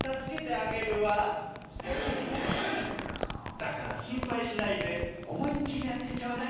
だからしんぱいしないでおもいっきりやってちょうだい。